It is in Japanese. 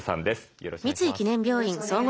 よろしくお願いします。